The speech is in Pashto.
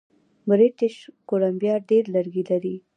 بریټیش کولمبیا ډیر لرګي لري.